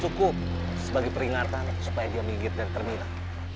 cukup sebagai peringatan supaya dia minggir dari terminal